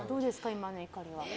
今の怒りは。